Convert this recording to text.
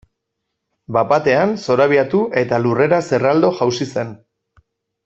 Bat batean zorabiatu eta lurrera zerraldo jausi zen.